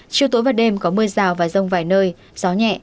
chiều tối và đêm có mưa rào và rông vài nơi gió nhẹ